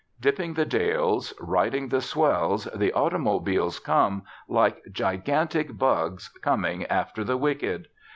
Dipping the dales, riding the swells, the automobiles come, like gigantic bugs coming after the wicked.